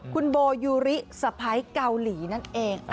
คุณโบยูริสะพ้ายเกาหลีนั่นเอง